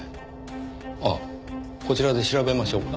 あっこちらで調べましょうか？